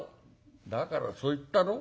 「だからそう言ったろ？